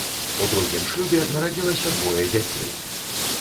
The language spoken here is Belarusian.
У другім шлюбе нарадзілася двое дзяцей.